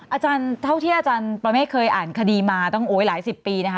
อาจารย์เท่าที่อาจารย์ประเมฆเคยอ่านคดีมาตั้งหลายสิบปีนะคะ